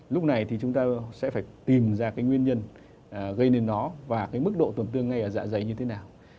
lúc này thì chúng ta sẽ phải tìm ra cái nguyên nhân gây nên nó và cái mức độ tổn thương ngay ở dạ dày như thế nào